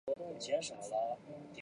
以华丽画风见称。